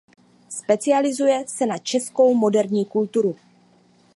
Specializuje se na českou moderní kulturu.